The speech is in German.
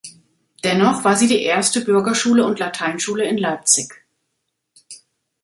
Dennoch war sie die erste Bürgerschule und Lateinschule in Leipzig.